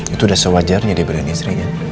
itu udah sewajarnya dia belain istrinya